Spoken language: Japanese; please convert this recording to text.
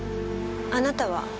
あなたは？